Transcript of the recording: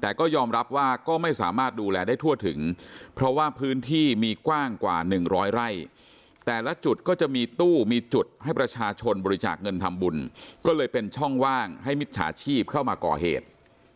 แต่ก็ยอมรับว่าก็ไม่สามารถดูแลได้ทั่วถึงเพราะว่าพื้นที่มีกว้างกว่า๑๐๐ไร่แต่ละจุดก็จะมีตู้มีจุดให้ประชาชนบริจาคเงินทำบุญก็เลยเป็นช่องว่างให้มิจฉาชีพเข้ามาก่อเหตุ